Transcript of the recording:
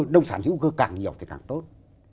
nông sản hữu cơ càng nhiều thì càng tốt